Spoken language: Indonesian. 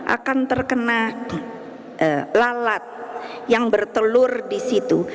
akan terkena lalat yang bertelur di situ